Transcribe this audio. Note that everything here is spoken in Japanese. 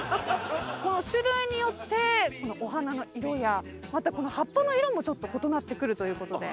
種類によってお花の色やまた葉っぱの色もちょっと異なってくるということで。